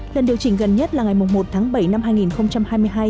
lần điều chỉnh gần nhất là ngày một tháng bảy năm hai nghìn hai mươi hai